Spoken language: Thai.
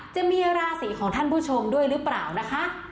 จะมีราศีของท่านผู้ชมด้วยหรือเปล่านะคะ